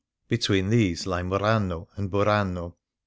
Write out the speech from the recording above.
Between these lie Murano and Burano.